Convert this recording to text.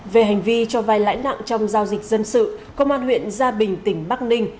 về hành vi cho vai lãi nặng trong giao dịch dân sự công an huyện gia bình tỉnh bắc ninh